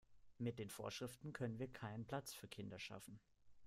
Mit den Vorschriften können wir keinen Platz für Kinder schaffen.